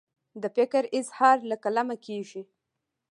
د فکر اظهار له قلمه کیږي.